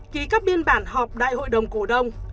ký các biên bản họp đại hội đồng cổ đông